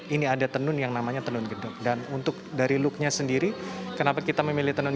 ini ada tenun yang namanya tenun gedok dan untuk dari looknya sendiri kenapa kita memilih tenun